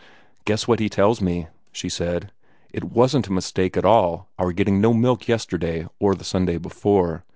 "Guess what he tells me!" she said. "It wasn't a mistake at all, our getting no milk yesterday or the Sunday before.